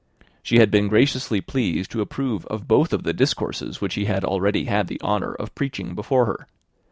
She had been graciously pleased to approve of both the discourses which he had already had the honour of preaching before her.